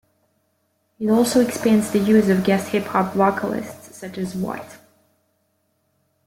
It also expands the use of guest hip-hop vocalists such as What?